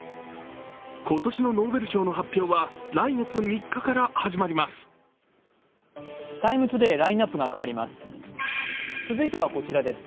今年のノーベル賞の発表は来月３日から始まります。